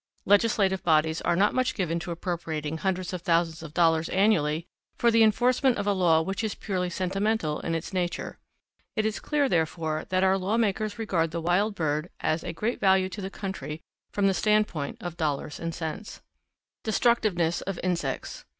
Legislative bodies are not much given to appropriating hundreds of thousands of dollars annually for the enforcement of a law which is purely sentimental in its nature. It is clear, therefore, that our law makers regard the wild bird life as a great value to the country from the standpoint of dollars and cents. _Destructiveness of Insects.